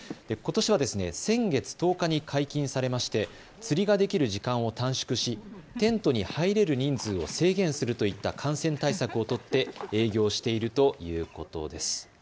ことしは先月１０日に解禁されまして釣りができる時間を短縮しテントに入れる人数を制限するといった感染対策を取って営業しているということです。